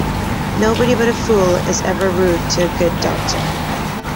Nobody but a fool is ever rude to a good doctor.